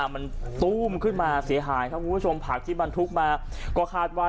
มันตู้มขึ้นมาเสียหายครับคุณผู้ชมผักที่บรรทุกมาก็คาดว่า